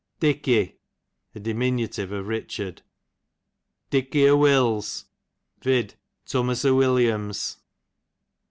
Dicky, a diminutire of Richard. Dicky o'Wills, vid. Tummu^ o'Williams.